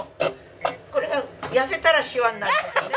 これが痩せたらシワになるもんね。